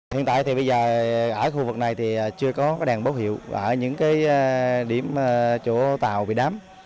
hiện tại thì bây giờ ở khu vực này thì chưa có đèn báo hiệu ở những điểm chỗ tàu bị đám